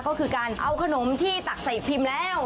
ก็คือการเอาขนมที่ตักใส่พิมพ์แล้ว